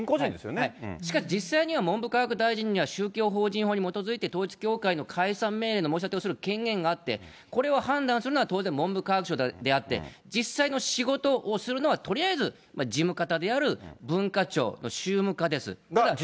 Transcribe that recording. しかし実際には、文部科学大臣には、宗教法人法に基づいて、統一教会の解散命令の申し立てをする権限があって、これを判断するのは当然文部科学省であって、実際の仕事をするのは、とりあえず事務方である文化庁の宗務課です。